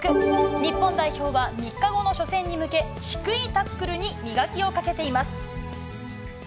日本代表は３日後の初戦に向け、低いタックルに磨きをかけています。